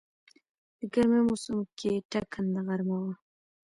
د ګرمی موسم کې ټکنده غرمه وه.